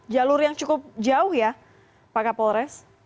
jalur yang cukup jauh ya pak kapolres